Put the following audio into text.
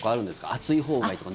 熱いほうがいいとか。